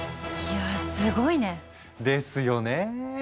いやぁすごいね。ですよね。